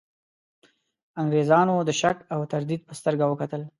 انګرېزانو د شک او تردید په سترګه وکتل.